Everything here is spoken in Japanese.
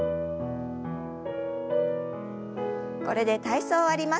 これで体操を終わります。